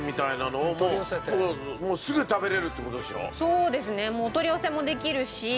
そうですねもうお取り寄せもできるし。